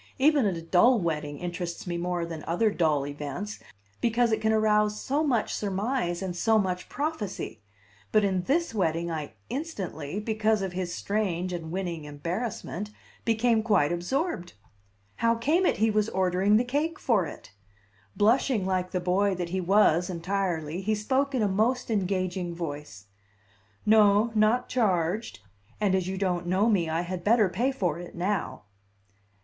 Even a dull wedding interests me more than other dull events, because it can arouse so much surmise and so much prophecy; but in this wedding I instantly, because of his strange and winning embarrassment, became quite absorbed. How came it he was ordering the cake for it? Blushing like the boy that he was entirely, he spoke in a most engaging voice: "No, not charged; and as you don't know me, I had better pay for it now."